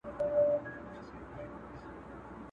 پر لمن د کوه طور به بیرغ پورته د موسی سي،